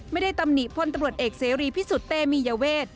ตำหนิพลตำรวจเอกเสรีพิสุทธิ์เตมียเวท